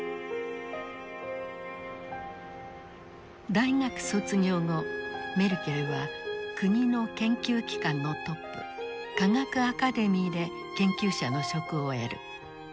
大学卒業後メルケルは国の研究機関のトップ科学アカデミーで研究者の職を得る。